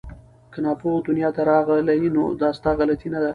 که ناپوه دنیا ته راغلې نو دا ستا غلطي نه ده